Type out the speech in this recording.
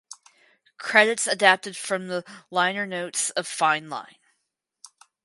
Credits adapted from the liner notes of "Fine Line".